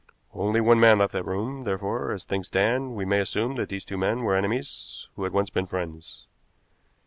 Only one man left that room, therefore, as things stand, we may assume that these two men were enemies who had once been friends.